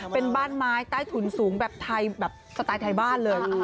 เป็นบ้านไม้ใต้ถุนสูงแบบไทยสตายที้บ้านเลย